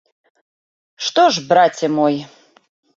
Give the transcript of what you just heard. Што ж, браце мой?